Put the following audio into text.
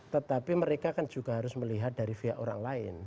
tetapi mereka kan juga harus melihat dari pihak orang lain